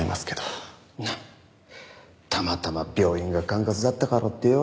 なあたまたま病院が管轄だったからってよ。